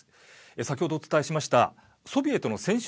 先ほどお伝えしましたソビエトの戦勝